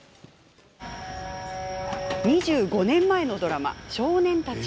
２５年前のドラマ「少年たち」。